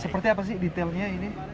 seperti apa sih detailnya ini